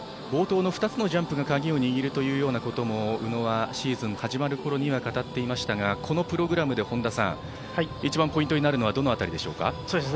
冒頭の２つのジャンプがカギを握るというようなことも宇野はシーズン始まるころには語っていましたが、このプログラムで一番ポイントになるのはどの辺りでしょうか？